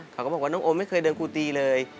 เขาก็บอกว่าน้องโอมไม่เคยโดนครูตีเลย